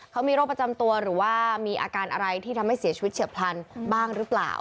เขามีโรคประจำตัวหรือว่ามีอาการอะไรที่ทำให้เสียชีวิตเฉียบพลันบ้างหรือเปล่า